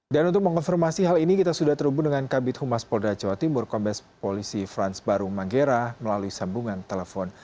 dan untuk mengkonfirmasi hal ini kita sudah terhubung dengan kabit humas polda jatim kombes polisi franz barung manggera melalui sambungan telepon